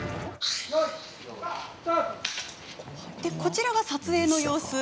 こちらが撮影の様子。